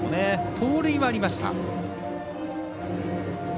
盗塁はありました。